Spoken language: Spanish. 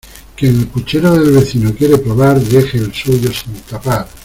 Quien el puchero del vecino quiere probar, deje el suyo sin tapar.